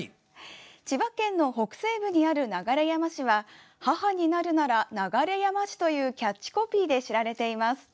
千葉県の北西部にある流山市は「母になるなら、流山市。」というキャッチコピーで知られています。